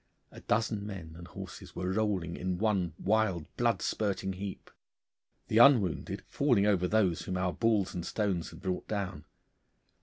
A dozen men and horses were rolling in one wild blood spurting heap, the unwounded falling over those whom our balls and stones had brought down.